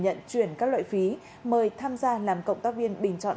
nhận chuyển các loại phí mời tham gia làm cộng tác viên bình chọn